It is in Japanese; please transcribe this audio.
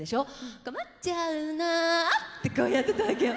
「こまっちゃうナ」ってこうやってたわけよ。